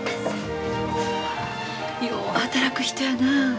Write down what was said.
よう働く人やなあ。